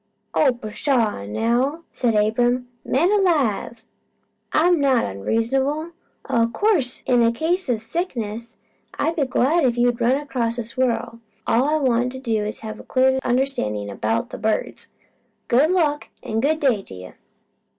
"Oh pshaw now!" said Abram. "Man alive! I'm not onreasonable. O' course in case o' sickness I'd be glad if you could run across a squirrel. All I wanted was to have a clear understandin' about the birds. Good luck, an' good day to you!"